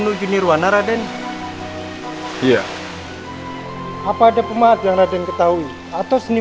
ya tuhan saya akan menjaga kekuatan ini